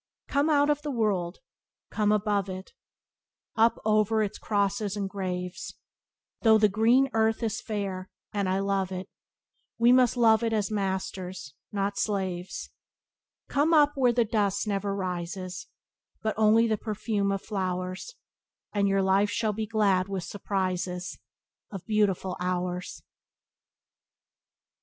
"Come out of the world — come above it — Up over its crosses and graves; Though the green earth is fair and I love it, We must love it as masters, not slaves, Come up where the dust never rises — But only the perfume of flowers — And your life shall be glad with surprises Of beautiful hours."